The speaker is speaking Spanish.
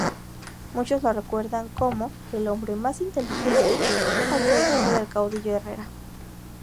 Muchos lo recuerdan como "el hombre más inteligente al servicio del caudillo Herrera".